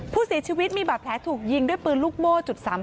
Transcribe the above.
ผู้เสียชีวิตมีบาดแผลถูกยิงด้วยปืนลูกโม่จุด๓๘